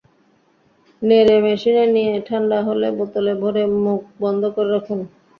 নেড়ে মিশিয়ে নিয়ে ঠান্ডা হলে বোতলে ভরে মুখ বন্ধ করে রাখুন।